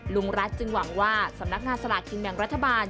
ลุงรัฐจึงหวังว่าสำนักงานสลากกินแบ่งรัฐบาล